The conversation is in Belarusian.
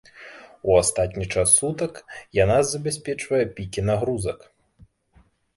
У астатні час сутак яна забяспечвае пікі нагрузкі.